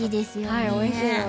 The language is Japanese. はいおいしいので。